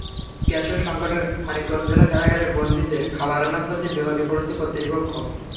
গ্যাসের সংকটের কারণে মানিকগঞ্জ জেলা কারাগারের বন্দীদের খাবার রান্না করতে বিপাকে পড়েছে কর্তৃপক্ষ।